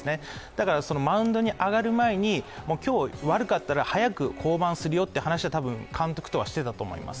だからマウンドに上がる前に、今日悪かったら早く降板するよと監督としていたと思います。